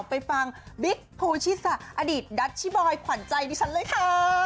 ไปฟังบิ๊กภูชิสาอดีตดัชชิบอยขวัญใจดิฉันเลยค่ะ